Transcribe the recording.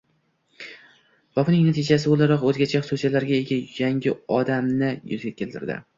va buning natijasi o‘laroq o‘zgacha xususiyatlarga ega «yangi odam»ni yuzaga keltirdi.